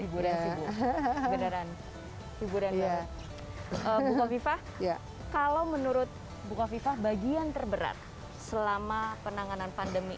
ibu dan ibu ibu dan ibu bukaviva ya kalau menurut bukaviva bagian terberat selama penanganan pandemi